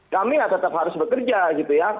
kami tetap harus bekerja